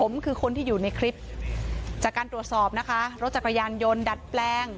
ผมคือคนที่อยู่ในคลิปจากการตรวจสอบนะคะรถจักรยานยนต์ดัดแปลง